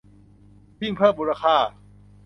ยิ่งเพิ่มมูลค่า